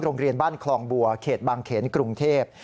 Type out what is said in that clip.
โรงเรียนบ้านคลองบัวเขตบางเขนกรุงเทพ